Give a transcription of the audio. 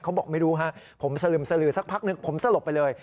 เขาบอกไม่รู้ฮะผมสลึมสลือสักพักนึงผมสลบไปเลย